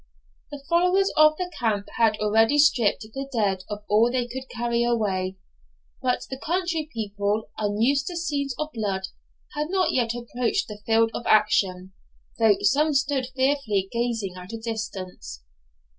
The followers of the camp had already stripped the dead of all they could carry away; but the country people, unused to scenes of blood, had not yet approached the field of action, though some stood fearfully gazing at a distance.